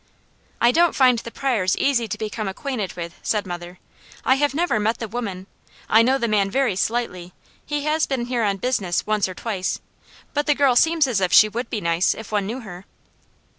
"I don't find the Pryors easy to become acquainted with," said mother. "I have never met the woman; I know the man very slightly; he has been here on business once or twice, but the girl seems as if she would be nice, if one knew her."